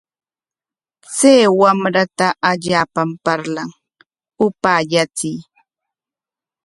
Chay wamrata allaapam parlan, upaallachiy.